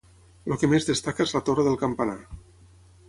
el que més destaca és la torre del campanar